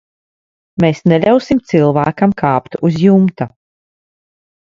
Mēs neļausim cilvēkam kāpt uz jumta.